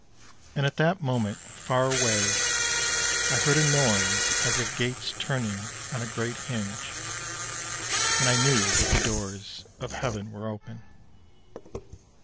And at that moment, far away I heard a noise as of gates turning on a great hinge, and I knew that the doors of Heaven were open.